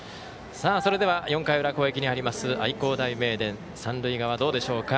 それでは、４回裏攻撃に入ります愛工大名電三塁側、どうでしょうか。